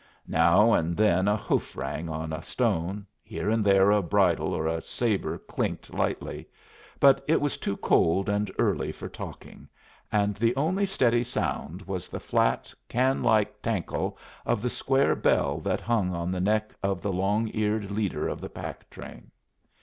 Now and then a hoof rang on a stone, here and there a bridle or a sabre clinked lightly; but it was too cold and early for talking, and the only steady sound was the flat, can like tankle of the square bell that hung on the neck of the long eared leader of the pack train.